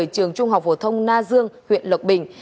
trường trung học phổ thông na dương huyện lộc bình